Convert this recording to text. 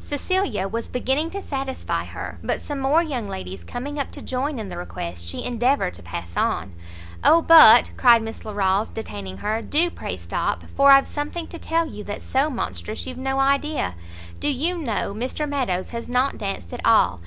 Cecilia was beginning to satisfy her, but some more young ladies coming up to join in the request, she endeavoured to pass on; "O but," cried Miss Larolles, detaining her, "do pray stop, for I've something to tell you that's so monstrous you've no idea. Do you know Mr Meadows has not danced at all!